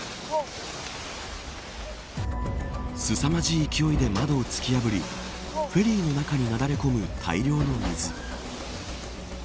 すさまじい勢いで窓を突き破りフェリーの中になだれ込む大量の水。